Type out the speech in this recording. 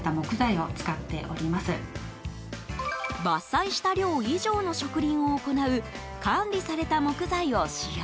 伐採した量以上の植林を行う管理された木材を使用。